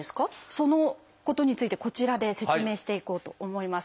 そのことについてこちらで説明していこうと思います。